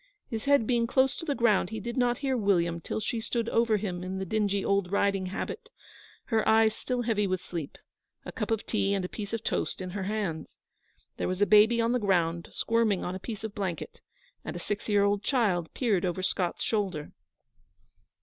His head being close to the ground, he did not hear William till she stood over him in the dingy old riding habit, her eyes still heavy with sleep, a cup of tea and a piece of toast in her hands. There was a baby on the ground, squirming on a piece of blanket, and a six year old child peered over Scott's shoulder.